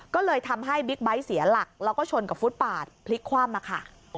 ก็เลยทำให้บิ๊กไบท์เสียหลักแล้วก็ชนกับฟุตปาดพลิกคว่ำมาค่ะ